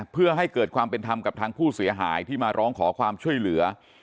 เพื่อให้เกิดความเป็นธรรมกับทางผู้เสียหายที่มาร้องขอความช่วยเหลือ